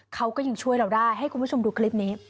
เขาก็ยังช่วยเราได้ให้คุณผู้ชมดูคลิปนี้